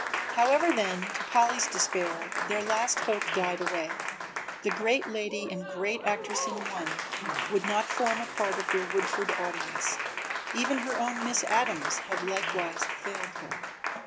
However then, to Polly's despair, their last hope died away the great lady and the great actress in one would not form a part of their Woodford audience, even her own Miss Adams had likewise failed her.